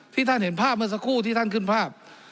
ท่านเห็นภาพเมื่อสักครู่ที่ท่านขึ้นภาพ